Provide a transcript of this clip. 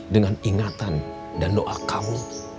dengan ingatan dan doa kamu